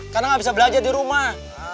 karena enggak bisa belajar di rumah